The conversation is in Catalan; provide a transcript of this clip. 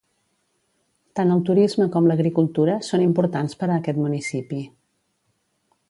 Tant el turisme com l'agricultura són importants per a aquest municipi.